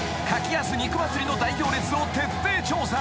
［柿安肉祭りの大行列を徹底調査］